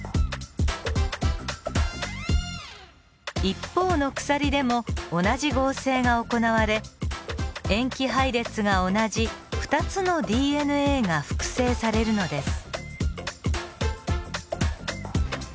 一方の鎖でも同じ合成が行われ塩基配列が同じ２つのＤＮＡが複製されるのです。